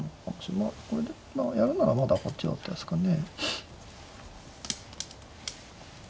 まあこれでやるならまだこっちだったですかね。